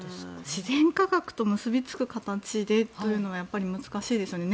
自然科学と結びつく形でというのはやっぱり難しいですよね。